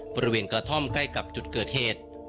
กระท่อมใกล้กับจุดเกิดเหตุ